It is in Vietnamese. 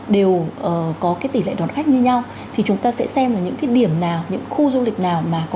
đều có cái tỷ lệ đón khách như nhau thì chúng ta sẽ xem là những cái điểm nào những khu du lịch nào mà có